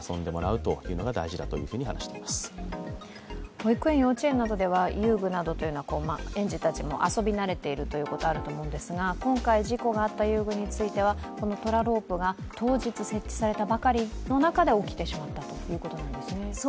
保育園、幼稚園などでは遊具などというのは園児たちも遊び慣れているということがあると思うんですが、今回事故があった遊具についてはトラロープが当日設置されたばかりの中で起きてしまったということなんですね。